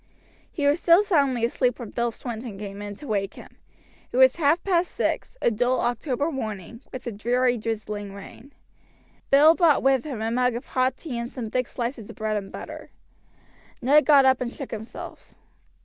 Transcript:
He was still soundly asleep when Bill Swinton came in to wake him. It was half past six, a dull October morning, with a dreary drizzling rain. Bill brought with him a mug of hot tea and some thick slices of bread and butter. Ned got up and shook himself.